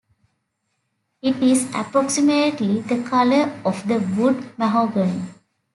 It is approximately the color of the wood mahogany.